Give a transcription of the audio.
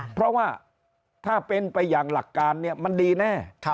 เพราะว่าถ้าเป็นไปอย่างหลักการมันดีแน่